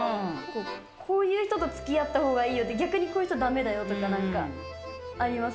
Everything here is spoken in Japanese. こういう人とつきあったほうがいいよとか、逆にこういう人だめだよとかなんかあります？